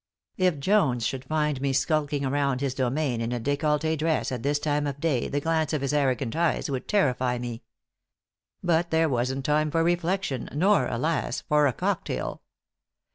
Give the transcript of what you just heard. If Jones should find me skulking around his domain in a décolleté dress at this time of day the glance of his arrogant eyes would terrify me. But there wasn't time for reflection, nor, alas! for a cocktail.